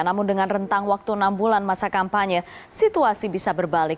namun dengan rentang waktu enam bulan masa kampanye situasi bisa berbalik